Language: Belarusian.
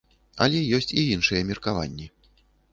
Але ёсць і іншыя меркаванні.